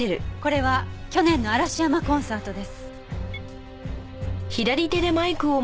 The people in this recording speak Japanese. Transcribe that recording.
一昨年の嵐山コンサートです。